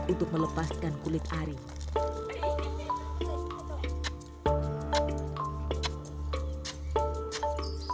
sehingga mereka dapat memiliki makanan yang lebih baik